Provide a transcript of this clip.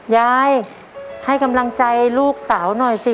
ยายให้กำลังใจลูกสาวหน่อยสิ